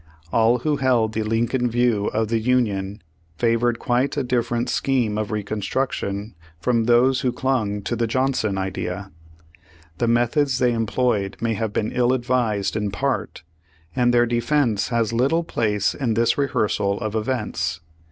All who held the Lincoln view of the Union favored quite a different scheme of Reconstruc tion from those who clung to the Johnson idea. The methods they employed may have been ill advised in part, and their defense has little place in this rehearsal of events.